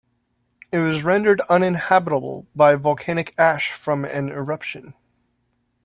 It was rendered uninhabitable by volcanic ash from an eruption.